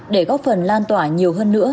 để góp phần lan tỏa nhiều hơn nữa